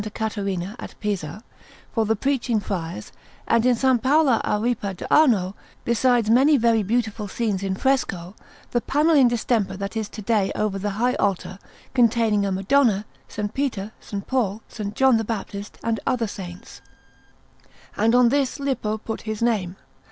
Caterina at Pisa, for the Preaching Friars; and in S. Paolo a Ripa d' Arno, besides many very beautiful scenes in fresco, the panel in distemper that is to day over the high altar, containing a Madonna, S. Peter, S. Paul, S. John the Baptist, and other Saints; and on this Lippo put his name.